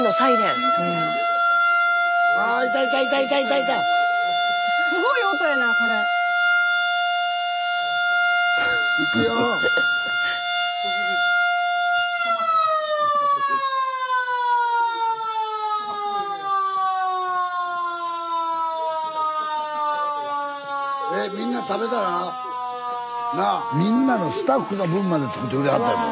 スタジオみんなのスタッフの分まで作ってくれはったんやもん。